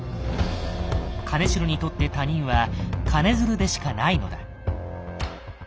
金城にとって他人は金づるでしかないのだ。